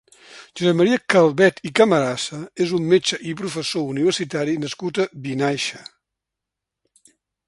Josep Maria Calbet i Camarasa és un metge i professor universitari nascut a Vinaixa.